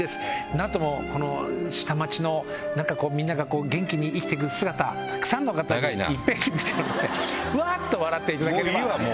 何ともこの下町のみんなが元気に生きてく姿たくさんの方に見てもらってうわっと笑っていただければ。